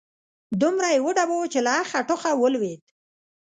دومره يې وډباوه چې له اخه، ټوخه ولوېد